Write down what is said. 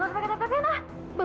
lo sampai kena perkenah